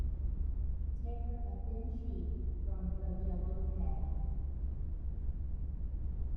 Tear a thin sheet from the yellow pad.